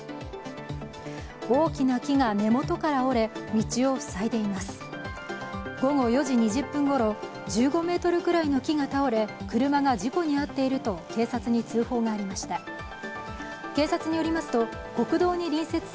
大きな木が根元から折れ、道を塞いでいます。